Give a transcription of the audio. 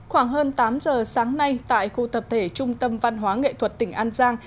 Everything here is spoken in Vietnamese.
khoảng hơn tám giờ sáng nay tại khu tập thể trung tâm văn hóa nghệ thuật tỉnh an giang